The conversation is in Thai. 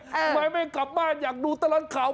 ทำไมไม่กลับบ้านอยากดูตลอดข่าว